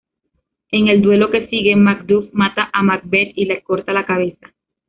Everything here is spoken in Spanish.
En el duelo que sigue, Macduff mata a Macbeth y le corta la cabeza.